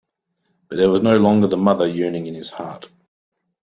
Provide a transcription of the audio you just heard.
But there was no longer the mother yearning in his heart.